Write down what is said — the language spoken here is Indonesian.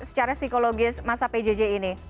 secara psikologis masa pjj ini